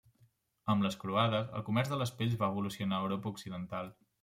Amb les Croades, el comerç de les pells va evolucionar a Europa occidental.